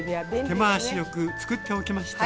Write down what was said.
手回しよく作っておきました。